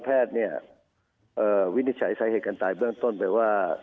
แพทย์เนี่ยวินิจฉัยสาเหตุการตายเบื้องต้นไปว่า